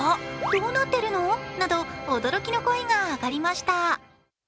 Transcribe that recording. どうなってるの？など驚きの声が上がりました。